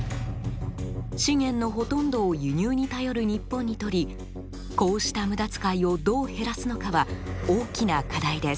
資源のほとんどを輸入に頼る日本にとりこうした無駄遣いをどう減らすのかは大きな課題です。